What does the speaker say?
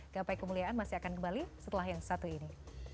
gapai kemuliaan masih akan kembali setelah yang satu ini